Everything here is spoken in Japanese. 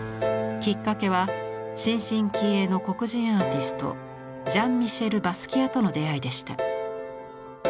きっかけは新進気鋭の黒人アーティストジャン＝ミシェル・バスキアとの出会いでした。